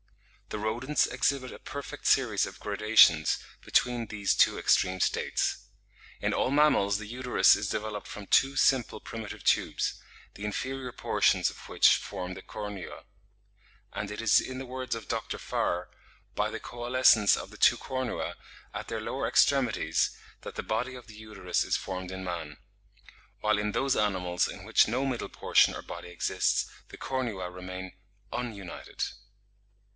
The rodents exhibit a perfect series of gradations between these two extreme states. In all mammals the uterus is developed from two simple primitive tubes, the inferior portions of which form the cornua; and it is in the words of Dr. Farre, "by the coalescence of the two cornua at their lower extremities that the body of the uterus is formed in man; while in those animals in which no middle portion or body exists, the cornua remain ununited.